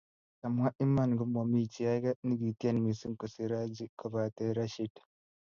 kawmwa iman ko momii chi age nikitieni mising kosir Haji kobate Rashid.